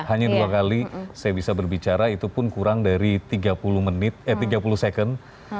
hanya dua kali saya bisa berbicara itu pun kurang dari tiga puluh menit eh tiga puluh second